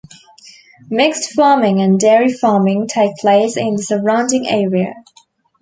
Mixed farming and dairy farming take place in the surrounding area.